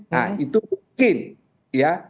nah itu mungkin ya